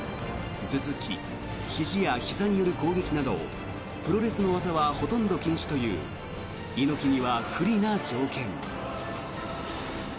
頭突きひじやひざによる攻撃などプロレスの技はほとんど禁止という猪木には不利な条件。